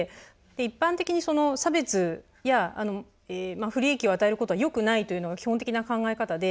一般的に、差別や不利益を与えることはよくないというのが基本的な考え方で。